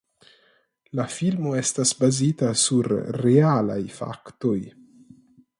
La filmo estas bazita sur realaj faktoj.